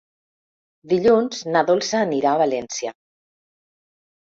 Dilluns na Dolça anirà a València.